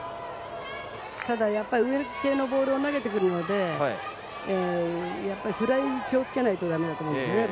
ただ上系のボールを投げてくるのでフライに気をつけないと駄目です。